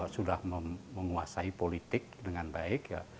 sudah menguasai politik dengan baik